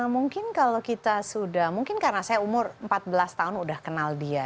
mungkin kalau kita sudah mungkin karena saya umur empat belas tahun udah kenal dia